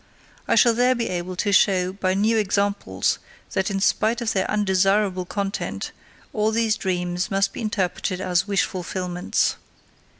I shall there be able to show by new examples that in spite of their undesirable content, all these dreams must be interpreted as wish fulfillments.